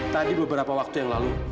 tadi beberapa waktu yang lalu